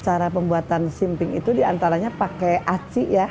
cara pembuatan simping itu diantaranya pakai aci ya